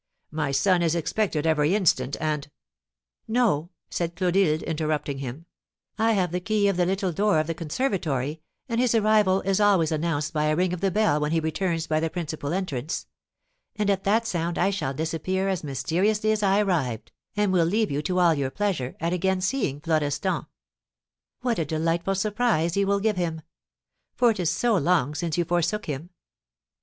My son is expected every instant, and " "No," said Clotilde, interrupting him, "I have the key of the little door of the conservatory, and his arrival is always announced by a ring of the bell when he returns by the principal entrance; and at that sound I shall disappear as mysteriously as I arrived, and will leave you to all your pleasure, at again seeing Florestan. What a delightful surprise you will give him! For it is so long since you forsook him.